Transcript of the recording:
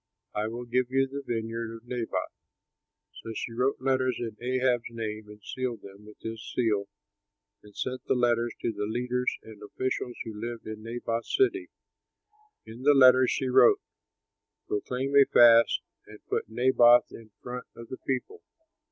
I will give you the vineyard of Naboth." So she wrote letters in Ahab's name and sealed them with his seal and sent the letters to the leaders and officials who lived in Naboth's city. In the letters she wrote, "Proclaim a fast and put Naboth in front of the people.